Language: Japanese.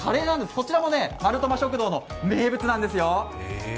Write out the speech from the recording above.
こちらもマルトマ食堂の名物なんですよ。